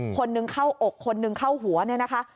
คนหนึ่งเข้าอกคนนึงเข้าหัวเนี่ยนะคะ